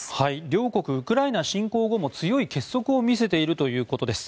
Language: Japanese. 両国ウクライナ侵攻後も強い結束を見せているということです。